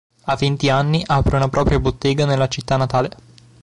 A venti anni apre una propria bottega nella città natale.